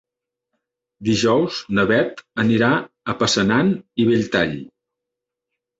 Dijous na Beth anirà a Passanant i Belltall.